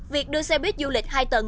việc đưa xe buýt du lịch hai tầng